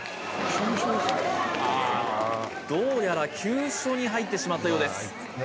どうやら急所に入ってしまったようです